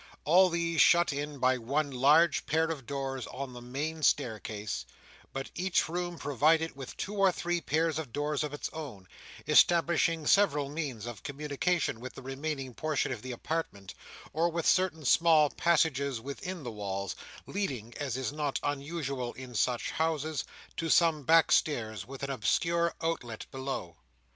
All these shut in by one large pair of doors on the main staircase, but each room provided with two or three pairs of doors of its own, establishing several means of communication with the remaining portion of the apartment, or with certain small passages within the wall, leading, as is not unusual in such houses, to some back stairs with an obscure outlet below.